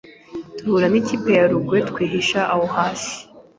duhura n’ikipe ya Rugwe twihisha aho hasi